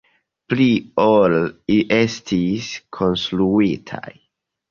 Pli ol estis konstruitaj.